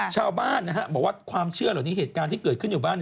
ชาวบ้านบอกว่าความเชื่อเหล่านี้เหตุการณ์ที่เกิดขึ้นอยู่บ้าน